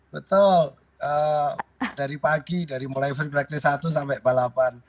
betul dari pagi dari mulai free practice satu sampai balapan